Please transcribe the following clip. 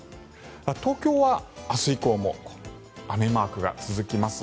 東京は明日以降も雨マークが続きます。